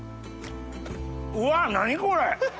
うわっ何これ！